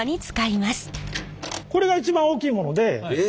これが一番大きいものでえ。